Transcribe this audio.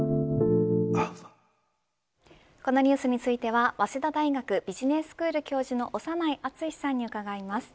このニュースについては早稲田大学ビジネススクール教授の長内厚さんに伺います。